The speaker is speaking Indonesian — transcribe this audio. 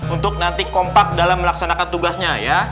untuk nanti kompak dalam melaksanakan tugasnya ya